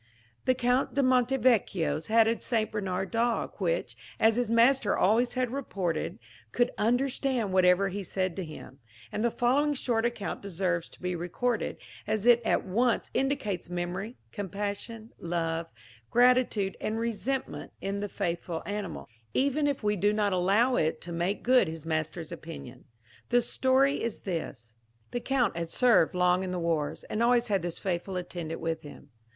The Count de Monte Veccios had a St. Bernard dog, which, as his master always had reported, could understand whatever he said to him; and the following short account deserves to be recorded, as it at once indicates memory, compassion, love, gratitude, and resentment in the faithful animal, even if we do not allow it to make good his master's opinion. The story is this: The Count had served long in the wars, and always had this faithful attendant with him.